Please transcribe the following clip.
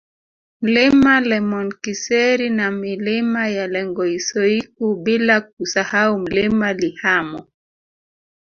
Mlima Lemonkiseri na Milima ya Lengoisoiku bila kusahau Mlima Lihamo